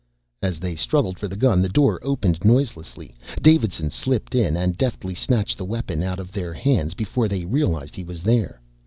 As they struggled for the gun, the door opened noiselessly, Davidson slipped in and deftly snatched the weapon out of their hands before they realized he was there.